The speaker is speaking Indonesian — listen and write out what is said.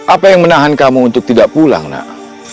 apa yang menahan kamu untuk tidak pulang nak